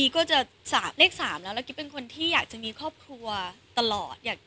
คืออัลเตอร์ซาวอัลเตอร์ซาว๒๗แล้ว